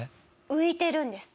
浮いてるんです。